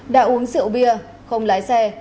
đã uống rượu bia không lái xe